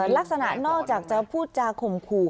ลักษณะนอกจากจะพูดจาข่มขู่